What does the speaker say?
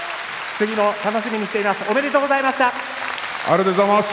次も楽しみにしています。